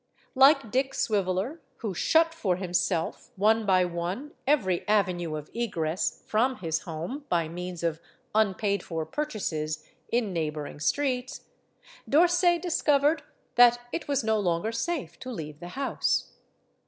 Like Dick Swiveller, who shut for himself, one by one, every avenue of egress, from his home, by means of unpaid for purchases in neighboring streets, D'Orsay discovered that it was no longer safe to leave the house.